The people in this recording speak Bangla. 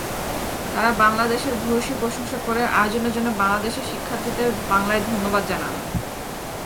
তারা বাংলাদেশের ভূয়সী প্রশংসা করে আয়োজনের জন্য বাংলাদেশের শিক্ষার্থীদের বাংলায় ধন্যবাদ জানালেন।